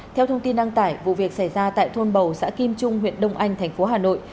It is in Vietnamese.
theo thông tin đăng tải vụ việc xảy ra tại thôn bầu xã kim trung huyện đông anh thành phố hà nội